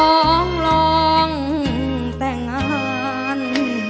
น้องลองแต่งงาน